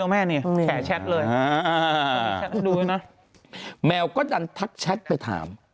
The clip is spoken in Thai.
มันน่ะค่ะแต่แชทเลยนะแมวก็นั่นทักแชทไปถาม